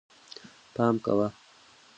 پام کوه